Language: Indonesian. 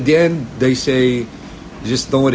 tapi pengiriman terus menanggungnya